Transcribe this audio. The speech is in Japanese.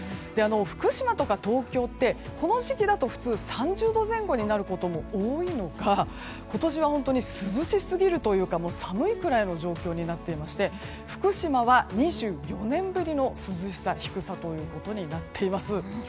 福島とか東京って、この時期だと普通３０度前後になることも多いのが今年は本当に涼しすぎるというか寒いくらいの状況になっていまして福島は２４年ぶりの涼しさ、低さということになっています。